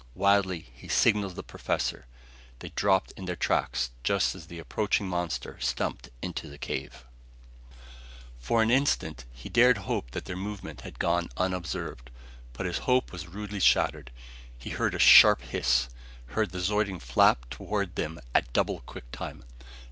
Wildly he signaled the professor. They dropped in their tracks, just as the approaching monster stumped into the cave. For an instant he dared hope that their movement had gone unobserved, but his hope was rudely shattered. He heard a sharp hiss: heard the Zeudian flap toward them at double quick time.